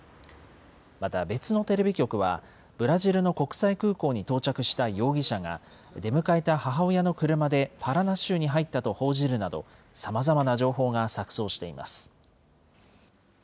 また、別のテレビ局は、ブラジルの国際空港に到着した容疑者が、出迎えた母親の車でパラナ州に入ったと報じるなど、さまざまな情報が錯そうしています。